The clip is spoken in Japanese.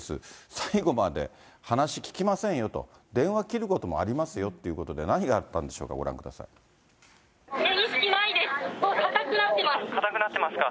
最後まで話聞きませんよと、電話切ることもありますよっていうことで、何があったんでしょうか、意識ないです、もう硬くなっ硬くなっていますか。